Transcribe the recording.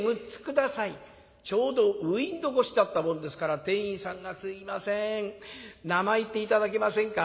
ちょうどウインドー越しだったもんですから店員さんが「すいません名前言って頂けませんか？」。